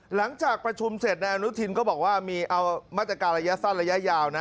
หลังจากประชุมเสร็จนายอนุทินก็บอกว่ามีเอามาตรการระยะสั้นระยะยาวนะ